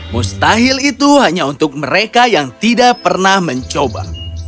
mustahil itu hanya untuk mereka yang tidak pernah mencoba